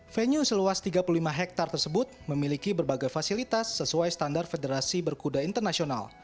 venue seluas tiga puluh lima hektare tersebut memiliki berbagai fasilitas sesuai standar federasi berkuda internasional